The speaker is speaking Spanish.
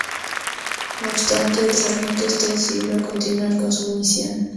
No obstante, el sargento está decidido a continuar con su misión.